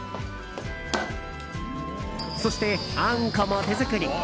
そして、あんこも手作り。